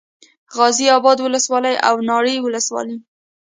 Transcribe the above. غازي اباد ولسوالي او ناړۍ ولسوالي